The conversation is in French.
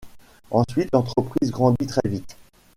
Ensuite l'entreprise grandit très vite.